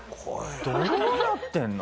どうなってんの？